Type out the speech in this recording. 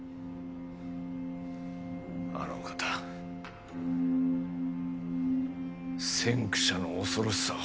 あのお方「先駆者」の恐ろしさを。